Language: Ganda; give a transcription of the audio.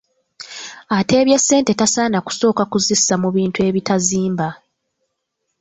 Ateebye ssente tasaana kusooka kuzissa mu bintu ebitazimba.